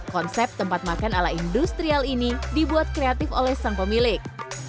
konsep tempat makan ala industrial ini dibuat kreatif oleh sang pemilik